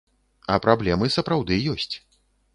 А праблемы сапраўды ёсць.